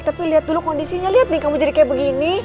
tapi lihat dulu kondisinya lihat nih kamu jadi kayak begini